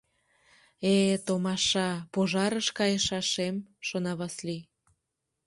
Э, томаша, пожарыш кайышашем, — шона Васлий.